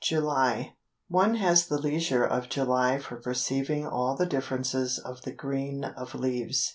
JULY One has the leisure of July for perceiving all the differences of the green of leaves.